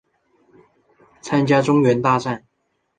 参加中原大战。